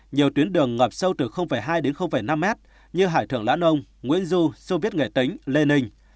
nhiều tuyến đường ngọp sâu từ hai đến năm mét như hải thượng lã nông nguyễn du sô viết nghệ tĩnh lê ninh